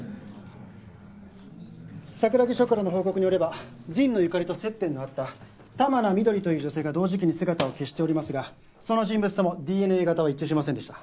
桜木署からの報告によれば神野由香里と接点のあった玉名翠という女性が同時期に姿を消しておりますがその人物ともＤＮＡ型は一致しませんでした。